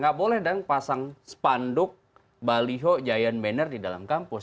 gak boleh dong pasang spanduk baliho giant banner di dalam kampus